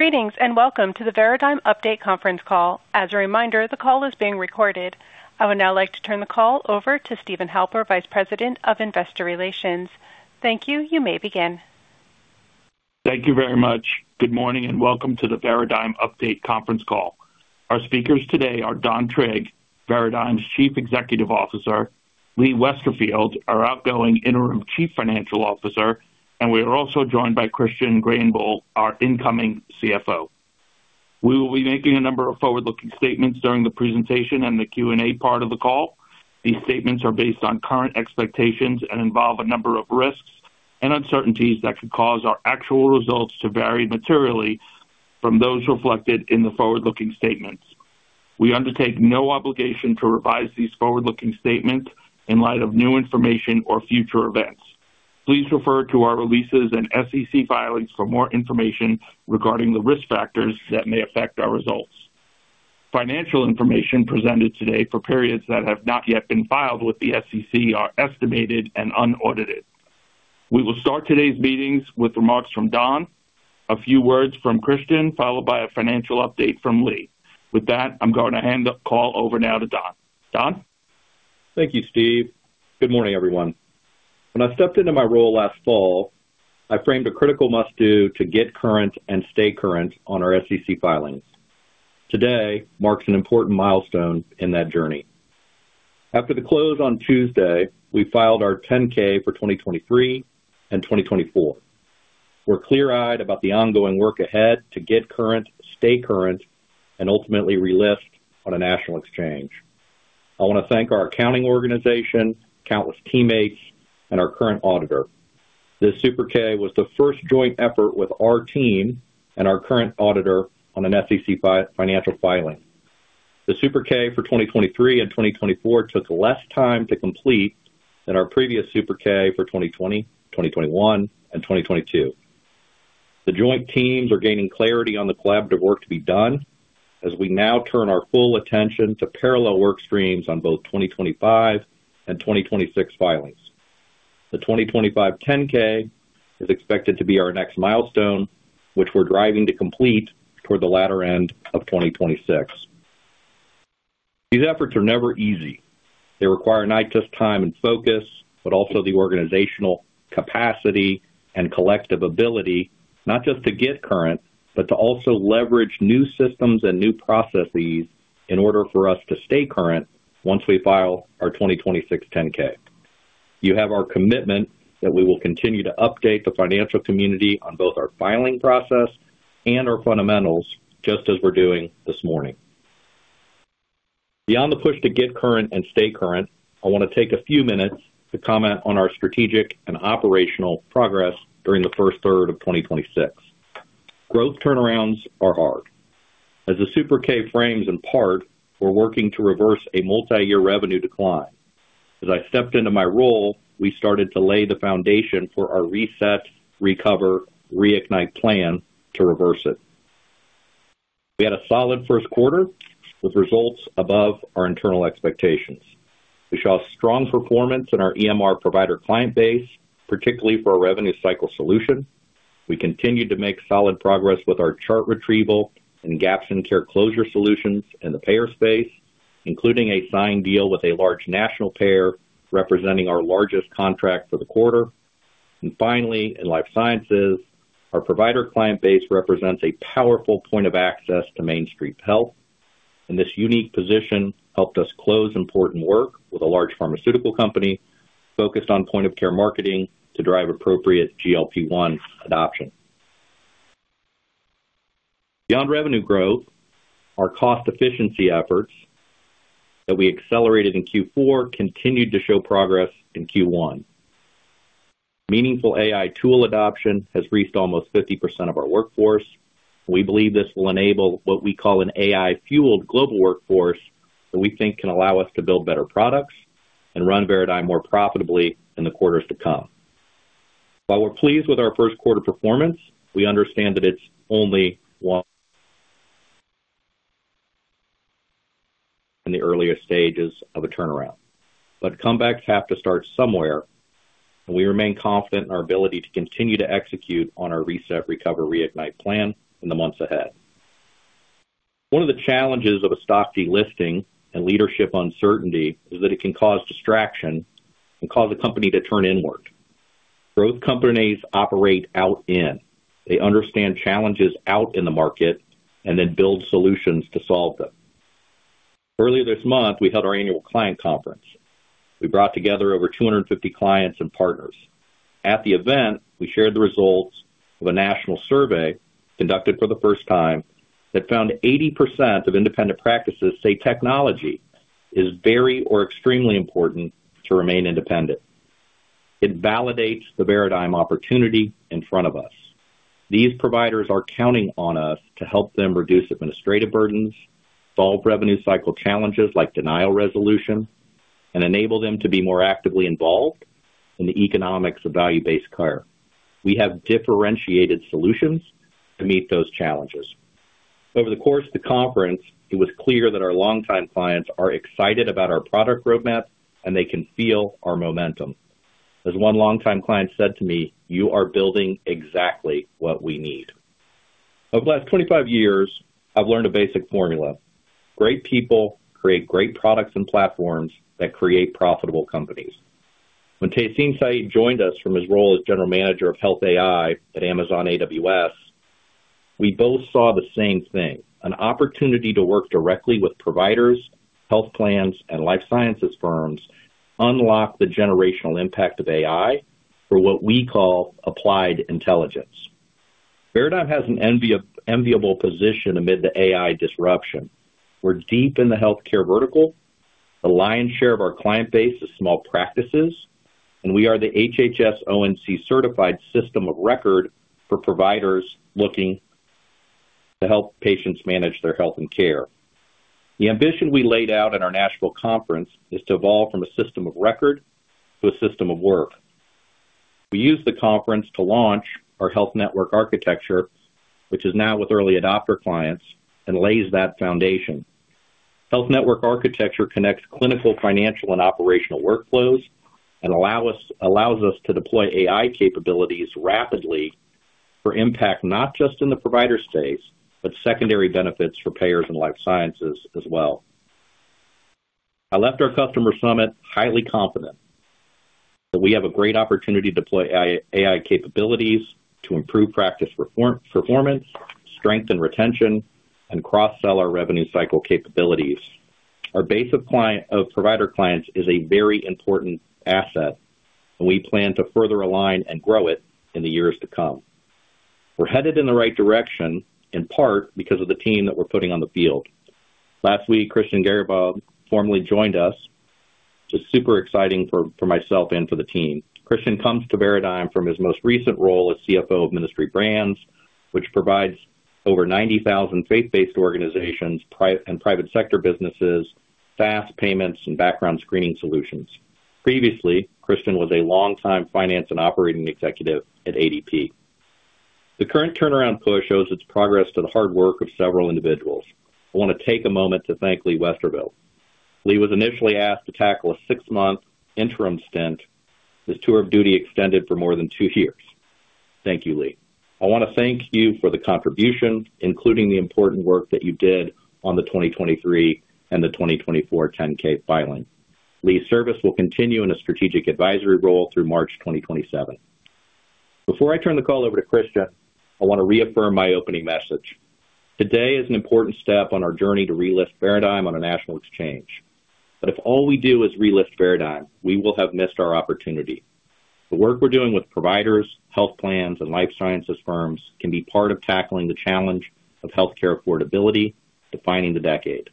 Greetings, and welcome to the Veradigm Update Conference Call. As a reminder, the call is being recorded. I would now like to turn the call over to Steven Halper, Vice President of Investor Relations. Thank you. You may begin. Thank you very much. Good morning, welcome to the Veradigm Update Conference Call. Our speakers today are Don Trigg, Veradigm's Chief Executive Officer, Lee Westerfield, our outgoing Interim Chief Financial Officer, and we are also joined by Christian Greyenbuhl, our incoming CFO. We will be making a number of forward-looking statements during the presentation and the Q&A part of the call. These statements are based on current expectations and involve a number of risks and uncertainties that could cause our actual results to vary materially from those reflected in the forward-looking statements. We undertake no obligation to revise these forward-looking statements in light of new information or future events. Please refer to our releases and SEC filings for more information regarding the risk factors that may affect our results. Financial information presented today for periods that have not yet been filed with the SEC are estimated and unaudited. We will start today's meetings with remarks from Don, a few words from Christian, followed by a financial update from Lee. With that, I'm going to hand the call over now to Don. Don? Thank you, Steve. Good morning, everyone. When I stepped into my role last fall, I framed a critical must-do to get current and stay current on our SEC filings. Today marks an important milestone in that journey. After the close on Tuesday, we filed our 10-K for 2023 and 2024. We're clear-eyed about the ongoing work ahead to get current, stay current, and ultimately relist on a national exchange. I want to thank our accounting organization, countless teammates, and our current auditor. This Super K was the first joint effort with our team and our current auditor on an SEC financial filing. The Super K for 2023 and 2024 took less time to complete than our previous Super K for 2020, 2021, and 2022. The joint teams are gaining clarity on the collaborative work to be done as we now turn our full attention to parallel work streams on both 2025 and 2026 filings. The 2025 10-K is expected to be our next milestone, which we're driving to complete toward the latter end of 2026. These efforts are never easy. They require not just time and focus, but also the organizational capacity and collective ability, not just to get current, but to also leverage new systems and new processes in order for us to stay current once we file our 2026 10-K. You have our commitment that we will continue to update the financial community on both our filing process and our fundamentals, just as we're doing this morning. Beyond the push to get current and stay current, I want to take a few minutes to comment on our strategic and operational progress during the first third of 2026. Growth turnarounds are hard. As the Super 8-K frames in part, we're working to reverse a multi-year revenue decline. As I stepped into my role, we started to lay the foundation for our reset, recover, reignite plan to reverse it. We had a solid first quarter with results above our internal expectations. We saw strong performance in our EMR provider client base, particularly for our revenue cycle solution. We continued to make solid progress with our chart retrieval and gaps in care closure solutions in the payer space, including a signed deal with a large national payer representing our largest contract for the quarter. Finally, in life sciences, our provider client base represents a powerful point of access to Main Street health. This unique position helped us close important work with a large pharmaceutical company focused on point-of-care marketing to drive appropriate GLP-1 adoption. Beyond revenue growth, our cost efficiency efforts that we accelerated in Q4 continued to show progress in Q1. Meaningful AI tool adoption has reached almost 50% of our workforce. We believe this will enable what we call an AI-fueled global workforce that we think can allow us to build better products and run Veradigm more profitably in the quarters to come. While we're pleased with our first quarter performance, we understand that it's only one in the earliest stages of a turnaround. Comebacks have to start somewhere, and we remain confident in our ability to continue to execute on our reset, recover, reignite plan in the months ahead. One of the challenges of a stock delisting and leadership uncertainty is that it can cause distraction and cause a company to turn inward. Growth companies operate out in. They understand challenges out in the market and then build solutions to solve them. Earlier this month, we held our annual client conference. We brought together over 250 clients and partners. At the event, we shared the results of a national survey conducted for the first time that found 80% of independent practices say technology is very or extremely important to remain independent. It validates the Veradigm opportunity in front of us. These providers are counting on us to help them reduce administrative burdens, solve revenue cycle challenges like denial resolution, and enable them to be more actively involved in the economics of value-based care. We have differentiated solutions to meet those challenges. Over the course of the conference, it was clear that our longtime clients are excited about our product roadmap and they can feel our momentum. As one longtime client said to me, "You are building exactly what we need." Over the last 25 years, I've learned a basic formula: Great people create great products and platforms that create profitable companies. When Tehsin Syed joined us from his role as General Manager of Health AI at Amazon AWS, we both saw the same thing, an opportunity to work directly with providers, health plans, and life sciences firms to unlock the generational impact of AI for what we call Applied Intelligence. Veradigm has an enviable position amid the AI disruption. We're deep in the healthcare vertical. The lion's share of our client base is small practices, and we are the HHS/ONC certified system of record for providers looking to help patients manage their health and care. The ambition we laid out at our national conference is to evolve from a system of record to a system of work. We used the conference to launch our health network architecture, which is now with early adopter clients and lays that foundation. Health network architecture connects clinical, financial, and operational workflows and allows us to deploy AI capabilities rapidly for impact, not just in the provider space, but secondary benefits for payers and life sciences as well. I left our customer summit highly confident that we have a great opportunity to deploy AI capabilities to improve practice performance, strengthen retention, and cross-sell our revenue cycle capabilities. Our base of provider clients is a very important asset. We plan to further align and grow it in the years to come. We're headed in the right direction, in part because of the team that we're putting on the field. Last week, Christian Greyenbuhl formally joined us, which is super exciting for myself and for the team. Christian comes to Veradigm from his most recent role as CFO of Ministry Brands, which provides over 90,000 faith-based organizations and private sector businesses, SaaS payments and background screening solutions. Previously, Christian was a longtime finance and operating executive at ADP. The current turnaround push owes its progress to the hard work of several individuals. I want to take a moment to thank Lee Westervelt. Lee was initially asked to tackle a six-month interim stint. His tour of duty extended for more than two years. Thank you, Lee. I want to thank you for the contribution, including the important work that you did on the 2023 and the 2024 10-K filing. Lee's service will continue in a strategic advisory role through March 2027. Before I turn the call over to Christian, I want to reaffirm my opening message. If all we do is relist Veradigm, we will have missed our opportunity. The work we're doing with providers, health plans, and life sciences firms can be part of tackling the challenge of healthcare affordability, defining the decade.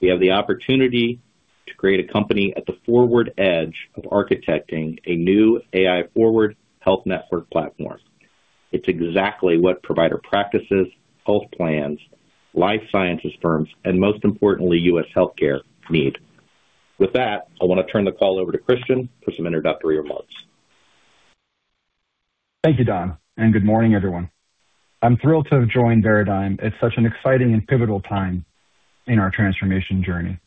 We have the opportunity to create a company at the forward edge of architecting a new AI-forward health network platform. It's exactly what provider practices, health plans, life sciences firms, and most importantly, U.S. healthcare need. With that, I want to turn the call over to Christian for some introductory remarks. Thank you, Don, good morning, everyone. I'm thrilled to have joined Veradigm at such an exciting and pivotal time in our transformation journey.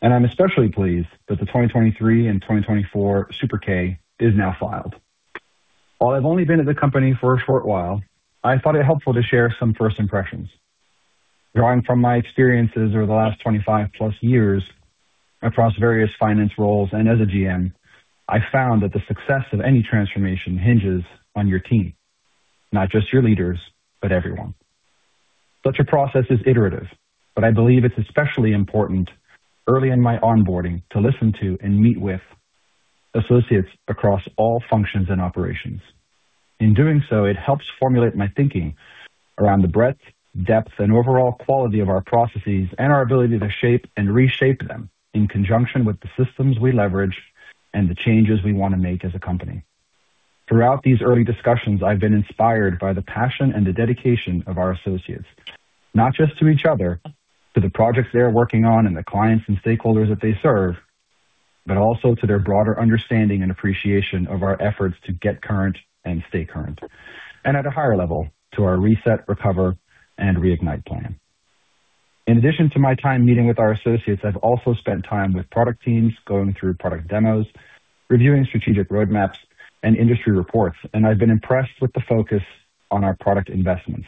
I'm especially pleased that the 2023 and 2024 Super 8-K is now filed. While I've only been at the company for a short while, I thought it helpful to share some first impressions. Drawing from my experiences over the last 25 plus years across various finance roles and as a GM, I found that the success of any transformation hinges on your team, not just your leaders, but everyone. Such a process is iterative, but I believe it's especially important early in my onboarding to listen to and meet with associates across all functions and operations. In doing so, it helps formulate my thinking around the breadth, depth, and overall quality of our processes and our ability to shape and reshape them in conjunction with the systems we leverage and the changes we want to make as a company. Throughout these early discussions, I've been inspired by the passion and the dedication of our associates, not just to each other, to the projects they are working on and the clients and stakeholders that they serve, but also to their broader understanding and appreciation of our efforts to get current and stay current, and at a higher level, to our Reset, Recover, and Reignite Plan. In addition to my time meeting with our associates, I've also spent time with product teams going through product demos, reviewing strategic roadmaps and industry reports, and I've been impressed with the focus on our product investments,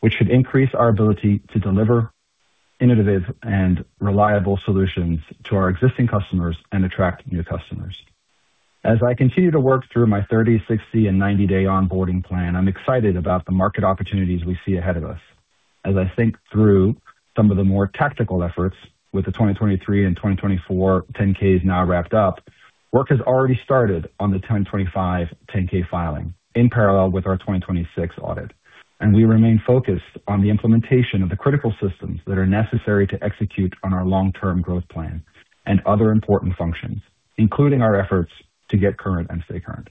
which should increase our ability to deliver innovative and reliable solutions to our existing customers and attract new customers. As I continue to work through my 30, 60, and 90-day onboarding plan, I'm excited about the market opportunities we see ahead of us. As I think through some of the more tactical efforts with the 2023 and 2024 10-Ks now wrapped up, work has already started on the 2025 10-K filing in parallel with our 2026 audit, and we remain focused on the implementation of the critical systems that are necessary to execute on our long-term growth plan and other important functions, including our efforts to get current and stay current.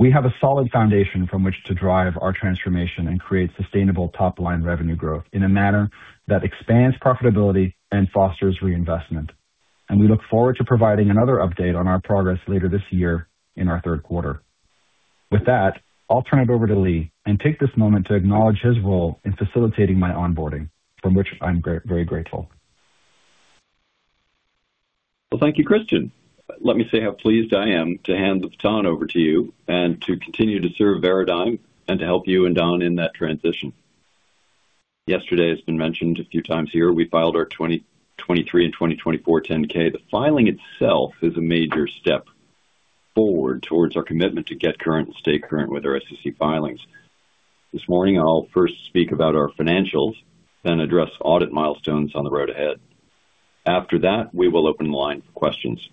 We have a solid foundation from which to drive our transformation and create sustainable top-line revenue growth in a manner that expands profitability and fosters reinvestment. We look forward to providing another update on our progress later this year in our third quarter. With that, I'll turn it over to Lee and take this moment to acknowledge his role in facilitating my onboarding, for which I'm very grateful. Well, thank you, Christian. Let me say how pleased I am to hand the baton over to you and to continue to serve Veradigm and to help you and Don in that transition. Yesterday has been mentioned a few times here. We filed our 2023 and 2024 10-K. The filing itself is a major step forward towards our commitment to get current and stay current with our SEC filings. This morning, I'll first speak about our financials, then address audit milestones on the road ahead. After that, we will open the line for questions.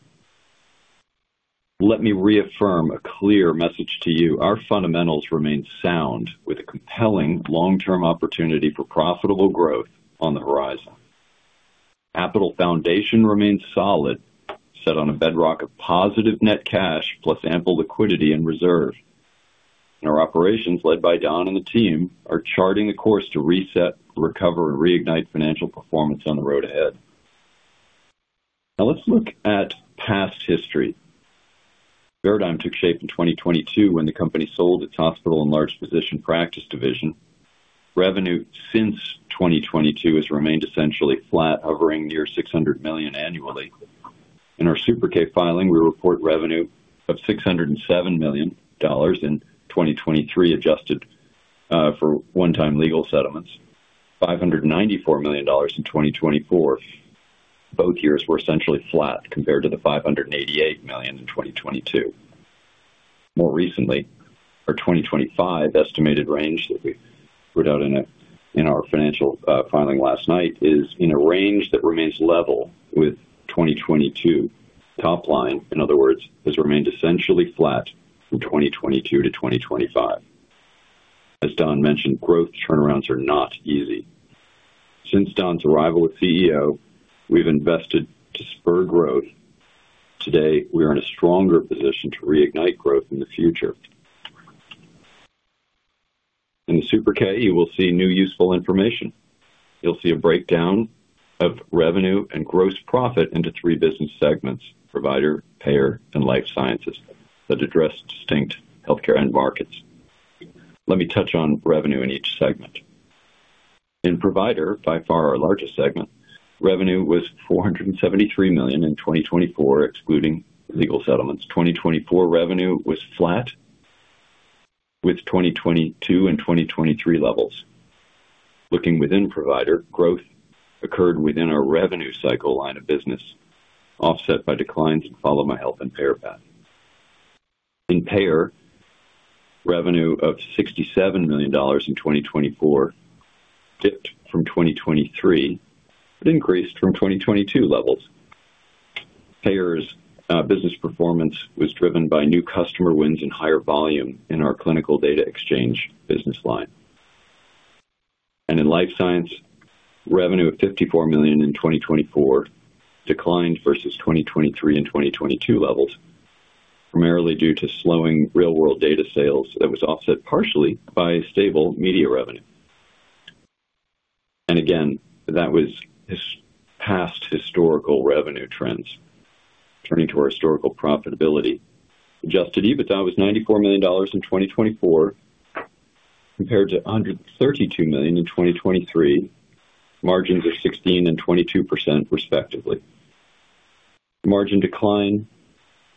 Let me reaffirm a clear message to you. Our fundamentals remain sound with a compelling long-term opportunity for profitable growth on the horizon. Capital foundation remains solid, set on a bedrock of positive net cash plus ample liquidity and reserve. Our operations, led by Don and the team, are charting a course to reset, recover, and reignite financial performance on the road ahead. Now let's look at past history. Veradigm took shape in 2022 when the company sold its hospital and large physician practice division. Revenue since 2022 has remained essentially flat, hovering near $600 million annually. In our Super 8-K filing, we report revenue of $607 million in 2023, adjusted for one-time legal settlements, $594 million in 2024. Both years were essentially flat compared to the $588 million in 2022. More recently, our 2025 estimated range that we put out in our financial filing last night is in a range that remains level with 2022. Top line, in other words, has remained essentially flat from 2022 to 2025. As Don mentioned, growth turnarounds are not easy. Since Don's arrival as CEO, we've invested to spur growth. Today, we are in a stronger position to reignite growth in the future. In the Super 8-K, you will see new useful information. You'll see a breakdown of revenue and gross profit into three business segments, provider, payer, and life sciences, that address distinct healthcare end markets. Let me touch on revenue in each segment. In provider, by far our largest segment, revenue was $473 million in 2024, excluding legal settlements. 2024 revenue was flat with 2022 and 2023 levels. Looking within provider, growth occurred within our revenue cycle line of business, offset by declines in FollowMyHealth and Payerpath. In payer, revenue of $67 million in 2024 dipped from 2023, but increased from 2022 levels. Payer's business performance was driven by new customer wins and higher volume in our clinical data exchange business line. In Life Science, revenue of $54 million in 2024 declined versus 2023 and 2022 levels, primarily due to slowing real-world data sales that was offset partially by stable media revenue. Again, that was past historical revenue trends. Turning to our historical profitability. Adjusted EBITDA was $94 million in 2024 compared to $132 million in 2023. Margins of 16% and 22%, respectively. Margin decline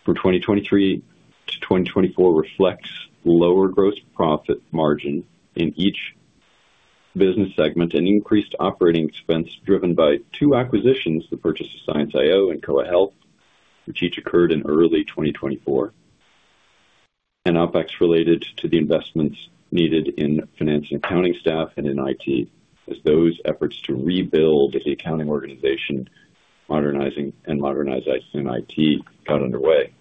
for 2023 to 2024 reflects lower gross profit margin in each business segment and increased operating expense driven by two acquisitions, the purchase of ScienceIO and Koha Health, which each occurred in early 2024. OpEx related to the investments needed in finance and accounting staff and in IT, as those efforts to rebuild the accounting organization, modernizing and modernization IT got underway.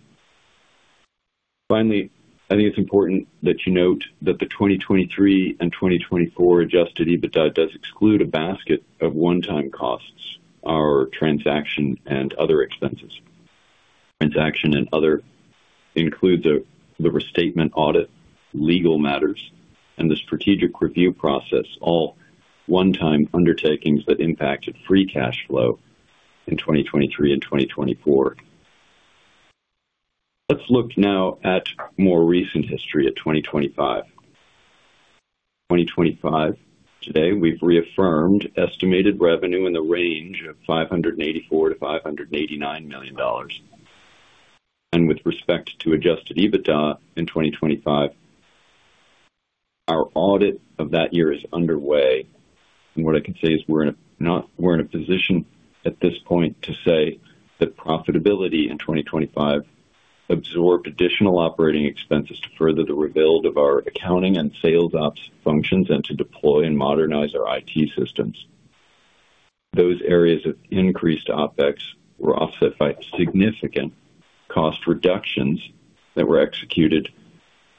Finally, I think it's important that you note that the 2023 and 2024 Adjusted EBITDA does exclude a basket of one-time costs, our transaction and other expenses. Transaction and other include the restatement audit, legal matters, and the strategic review process, all one-time undertakings that impacted free cash flow in 2023 and 2024. Let's look now at more recent history at 2025. 2025, today, we've reaffirmed estimated revenue in the range of $584 million-$589 million. With respect to Adjusted EBITDA in 2025, our audit of that year is underway. What I can say is we're in a position at this point to say that profitability in 2025 absorbed additional operating expenses to further the rebuild of our accounting and sales ops functions and to deploy and modernize our IT systems. Those areas of increased OpEx were offset by significant cost reductions that were executed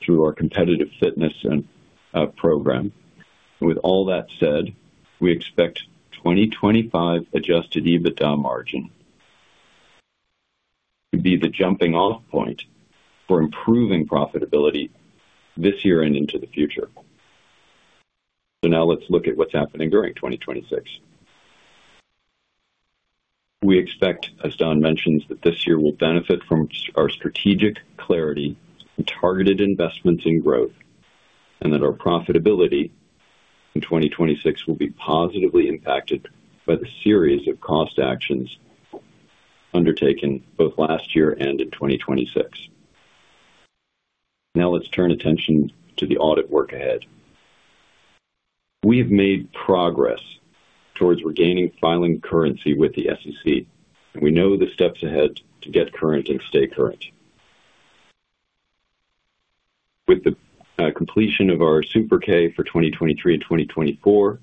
through our competitive fitness program. With all that said, we expect 2025 Adjusted EBITDA margin to be the jumping-off point for improving profitability this year and into the future. Now let's look at what's happening during 2026. We expect, as Don mentioned, that this year will benefit from our strategic clarity and targeted investments in growth, and that our profitability in 2026 will be positively impacted by the series of cost actions undertaken both last year and in 2026. Now let's turn attention to the audit work ahead. We have made progress towards regaining filing currency with the SEC, and we know the steps ahead to get current and stay current. With the completion of our Super 8-K for 2023 and 2024,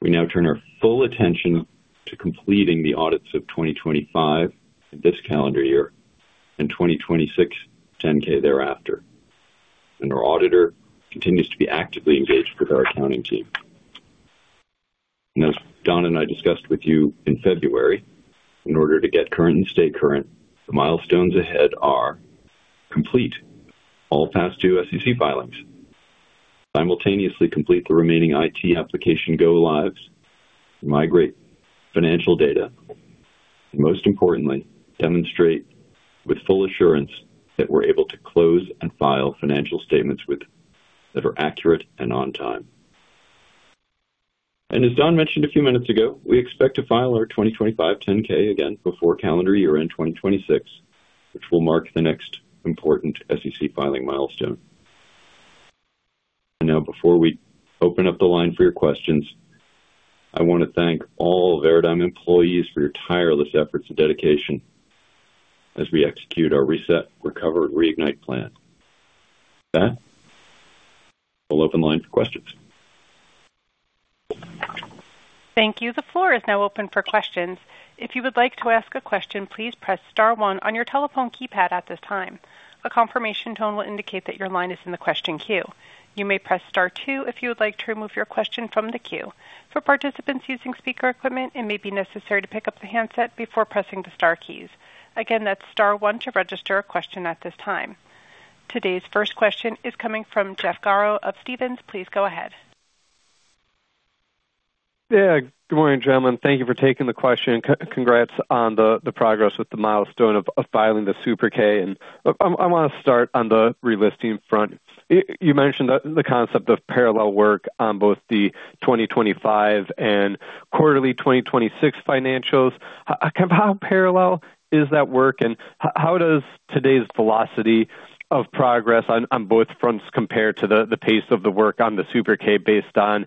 we now turn our full attention to completing the audits of 2025 this calendar year and 2026 10-K thereafter. Our auditor continues to be actively engaged with our accounting team. Now, as Don and I discussed with you in February, in order to get current and stay current, the milestones ahead are complete all past due SEC filings, simultaneously complete the remaining IT application go-lives, migrate financial data, and most importantly, demonstrate with full assurance that we're able to close and file financial statements that are accurate and on time. As Don mentioned a few minutes ago, we expect to file our 2025 10-K again before calendar year-end 2026, which will mark the next important SEC filing milestone. Now, before we open up the line for your questions, I want to thank all Veradigm employees for your tireless efforts and dedication as we execute our Reset, Recover, and Reignite Plan. With that, we'll open the line for questions. Thank you. The floor is now open for questions. If you would like to ask a question, please press star one on your telephone keypad at this time. A confirmation tone will indicate that your line is in the question queue. You may press star two if you would like to remove your question from the queue. For participants using speaker equipment, it may be necessary to pick up the handset before pressing the star keys. Again, that's star one to register a question at this time. Today's first question is coming from Jeff Garro of Stephens. Please go ahead. Yeah. Good morning, gentlemen. Thank you for taking the question. Congrats on the progress with the milestone of filing the Super 8-K. I want to start on the relisting front. You mentioned the concept of parallel work on both the 2025 and quarterly 2026 financials. How parallel is that work, and how does today's velocity of progress on both fronts compare to the pace of the work on the Super 8-K based on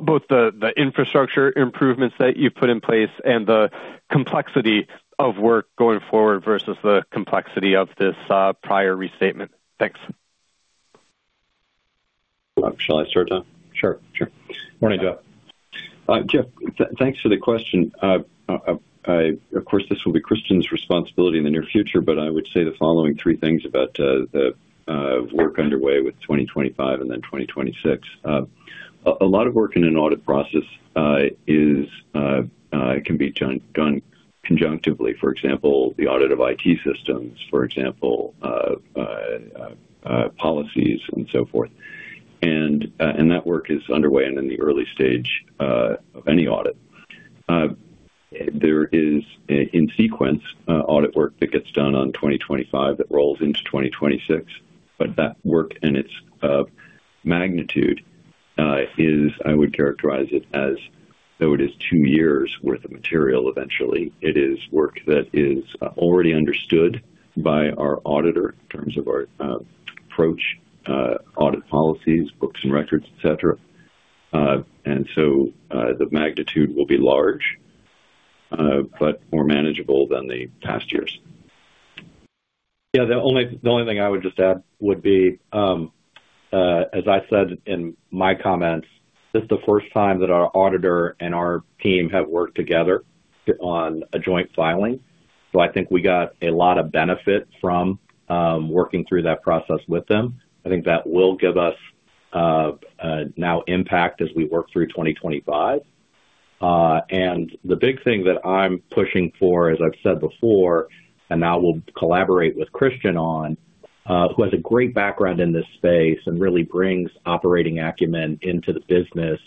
both the infrastructure improvements that you've put in place and the complexity of work going forward versus the complexity of this prior restatement? Thanks. Shall I start, Don? Sure. Sure. Morning, Jeff. Jeff, thanks for the question. Of course, this will be Christian's responsibility in the near future, but I would say the following three things about the work underway with 2025 and then 2026. A lot of work in an audit process can be done conjunctively. For example, the audit of IT systems, for example, policies and so forth. That work is underway and in the early stage of any audit. There is, in sequence, audit work that gets done on 2025 that rolls into 2026. That work and its magnitude is, I would characterize it as though it is two years' worth of material eventually. It is work that is already understood by our auditor in terms of our approach, audit policies, books and records, et cetera. The magnitude will be large but more manageable than the past years. Yeah. The only thing I would just add would be, as I said in my comments, this is the first time that our auditor and our team have worked together on a joint filing. I think we got a lot of benefit from working through that process with them. I think that will give us now impact as we work through 2025. The big thing that I'm pushing for, as I've said before, and now we'll collaborate with Christian on, who has a great background in this space and really brings operating acumen into the business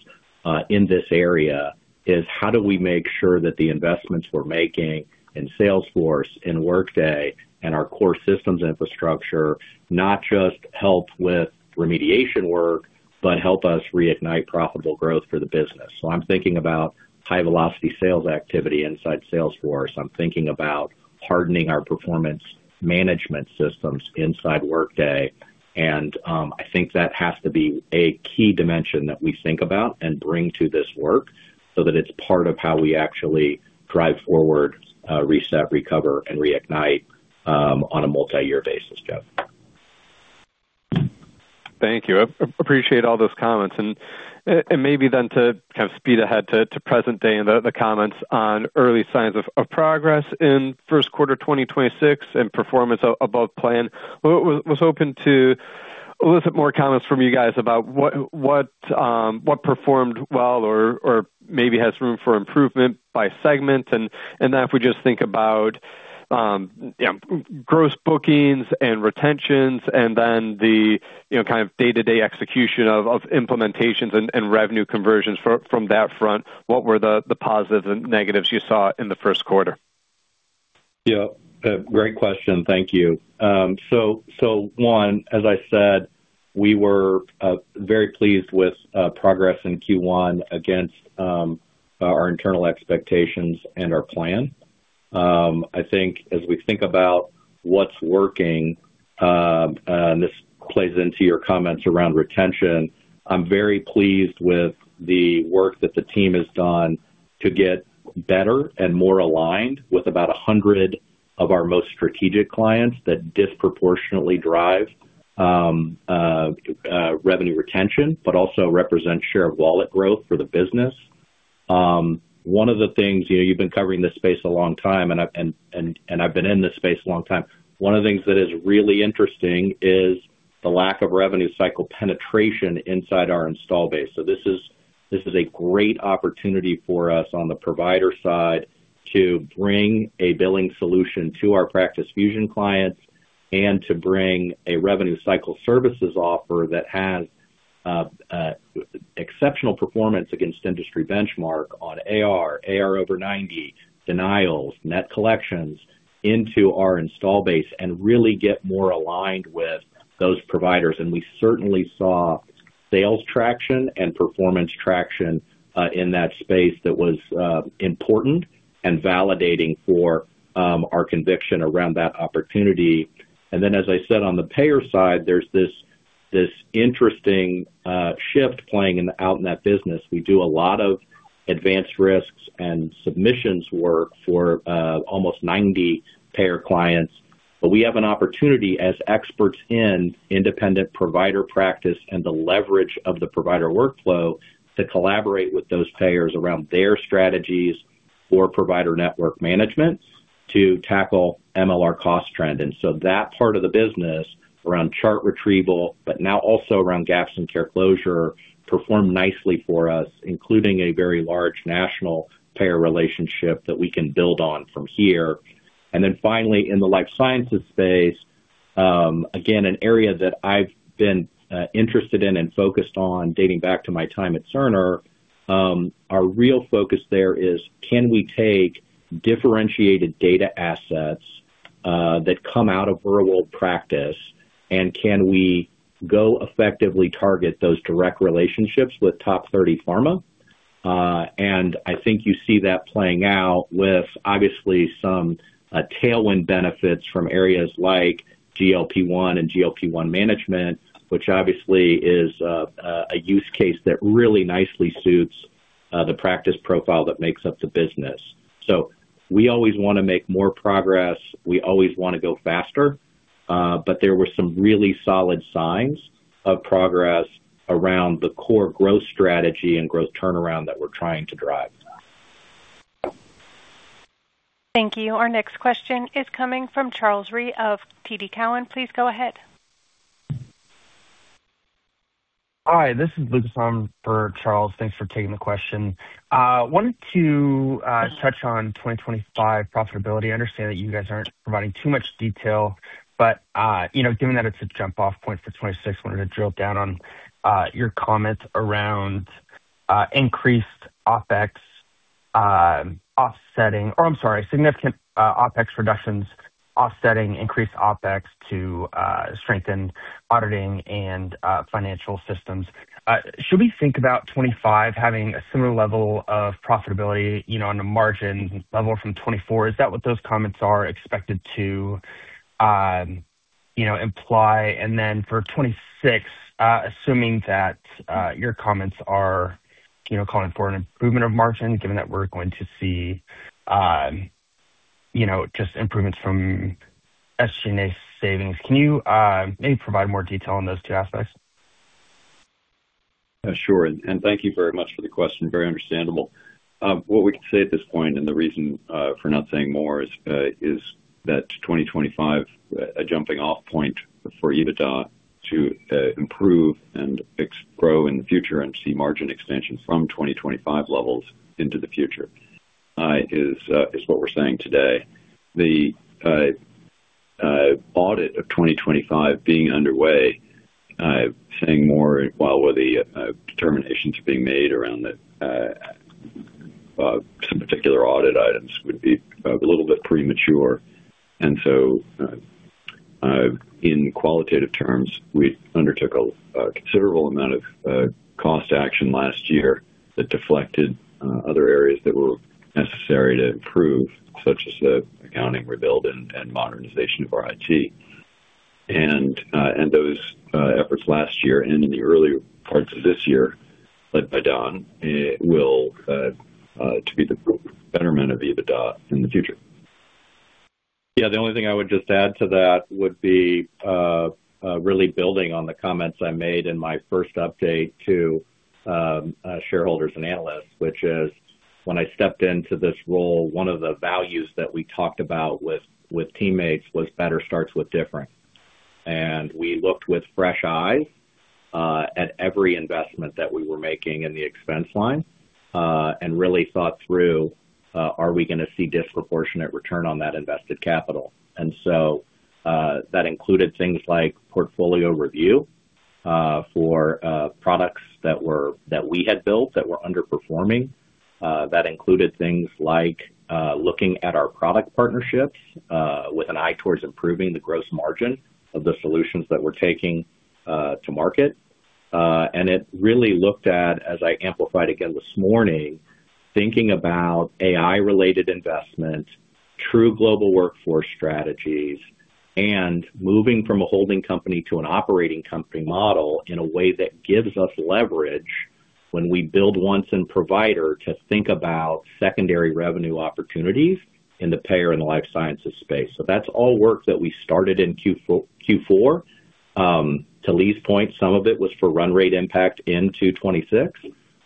in this area, is how do we make sure that the investments we're making in Salesforce and Workday and our core systems infrastructure not just help with remediation work but help us reignite profitable growth for the business. I'm thinking about high-velocity sales activity inside Salesforce. I'm thinking about hardening our performance management systems inside Workday. I think that has to be a key dimension that we think about and bring to this work so that it's part of how we actually drive forward, reset, recover, and reignite on a multi-year basis, Jeff. Thank you. I appreciate all those comments. Maybe then to kind of speed ahead to present day and the comments on early signs of progress in first quarter 2026 and performance above plan. Was hoping to elicit more comments from you guys about what performed well or maybe has room for improvement by segment, and then if we just think about gross bookings and retentions, and then the kind of day-to-day execution of implementations and revenue conversions from that front, what were the positives and negatives you saw in the first quarter? Yeah, great question. Thank you. One, as I said, we were very pleased with progress in Q1 against our internal expectations and our plan. I think as we think about what's working, and this plays into your comments around retention, I'm very pleased with the work that the team has done to get better and more aligned with about 100 of our most strategic clients that disproportionately drive revenue retention but also represent share of wallet growth for the business. One of the things, you've been covering this space a long time, and I've been in this space a long time. One of the things that is really interesting is the lack of revenue cycle penetration inside our install base. This is a great opportunity for us on the provider side to bring a billing solution to our Practice Fusion clients and to bring a revenue cycle services offer that has exceptional performance against industry benchmark on AR over 90, denials, net collections into our install base and really get more aligned with those providers. We certainly saw sales traction and performance traction, in that space that was important and validating for our conviction around that opportunity. As I said, on the payer side, there's this interesting shift playing out in that business. We do a lot of advanced risks and submissions work for almost 90 payer clients. We have an opportunity as experts in independent provider practice and the leverage of the provider workflow to collaborate with those payers around their strategies for provider network management to tackle MLR cost trend. That part of the business around chart retrieval, but now also around gaps in care closure, performed nicely for us, including a very large national payer relationship that we can build on from here. Finally, in the life sciences space, again, an area that I've been interested in and focused on dating back to my time at Cerner. Our real focus there is can we take differentiated data assets that come out of real-world practice, and can we go effectively target those direct relationships with top 30 pharma? I think you see that playing out with obviously some tailwind benefits from areas like GLP-1 and GLP-1 management, which obviously is a use case that really nicely suits the practice profile that makes up the business. We always want to make more progress. We always want to go faster. There were some really solid signs of progress around the core growth strategy and growth turnaround that we're trying to drive. Thank you. Our next question is coming from Charles Rhyee of TD Cowen. Please go ahead. Hi, this is Luke. I'm for Charles. Thanks for taking the question. Wanted to touch on 2025 profitability. I understand that you guys aren't providing too much detail, but given that it's a jump off point for 2026, wanted to drill down on your comments around increased OpEx offsetting significant OpEx reductions offsetting increased OpEx to strengthen auditing and financial systems. Should we think about 2025 having a similar level of profitability on the margin level from 2024? Is that what those comments are expected to imply? For 2026, assuming that your comments are calling for an improvement of margin, given that we're going to see just improvements from SG&A savings. Can you maybe provide more detail on those two aspects? Sure, thank you very much for the question. Very understandable. What we can say at this point, the reason for not saying more is that 2025, a jumping off point for EBITDA to improve and grow in the future and see margin expansion from 2025 levels into the future, is what we're saying today. The audit of 2025 being underway, saying more while the determinations are being made around some particular audit items would be a little bit premature. In qualitative terms, we undertook a considerable amount of cost action last year that deflected other areas that were necessary to improve, such as the accounting rebuild and modernization of our IT. Those efforts last year and in the early parts of this year, led by Don, will to be the betterment of EBITDA in the future. Yeah, the only thing I would just add to that would be really building on the comments I made in my first update to shareholders and analysts, which is when I stepped into this role, one of the values that we talked about with teammates was better starts with different. We looked with fresh eyes at every investment that we were making in the expense line, and really thought through, are we going to see disproportionate return on that invested capital? That included things like portfolio review for products that we had built that were underperforming. That included things like looking at our product partnerships with an eye towards improving the gross margin of the solutions that we're taking to market. It really looked at, as I amplified again this morning, thinking about AI-related investment, true global workforce strategies, and moving from a holding company to an operating company model in a way that gives us leverage when we build once in provider to think about secondary revenue opportunities in the payer and the life sciences space. That's all work that we started in Q4. To Lee's point, some of it was for run rate impact in 2026,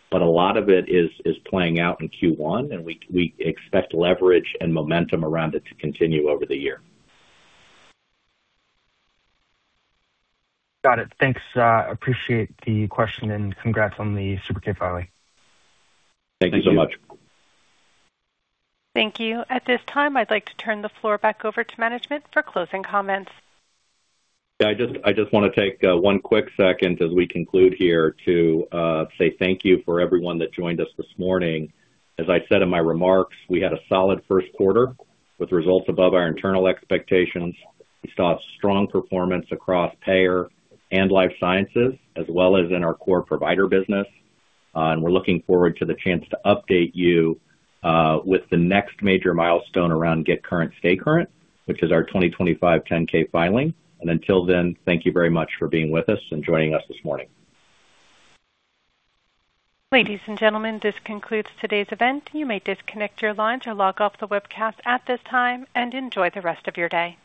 but a lot of it is playing out in Q1, and we expect leverage and momentum around it to continue over the year. Got it. Thanks, appreciate the question and congrats on the Super 8-K filing. Thank you so much. Thank you. At this time, I'd like to turn the floor back over to management for closing comments. Yeah, I just want to take one quick second as we conclude here to say thank you for everyone that joined us this morning. As I said in my remarks, we had a solid first quarter with results above our internal expectations. We saw strong performance across payer and life sciences, as well as in our core provider business. We're looking forward to the chance to update you with the next major milestone around Get Current, Stay Current, which is our 2025 10-K filing. Until then, thank you very much for being with us and joining us this morning. Ladies and gentlemen, this concludes today's event. You may disconnect your lines or log off the webcast at this time and enjoy the rest of your day.